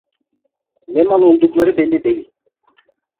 Ne mal oldukları belli değil…